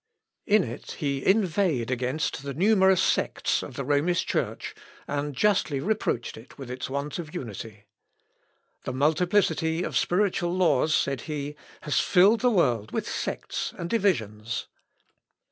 In it he inveighed against the numerous sects of the Romish Church, and justly reproached it with its want of unity. "The multiplicity of spiritual laws," said he, "has filled the world with sects and divisions.